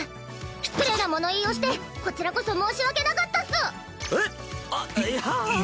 失礼な物言いをしてこちらこそ申し訳なかったっス！えっ？あっ。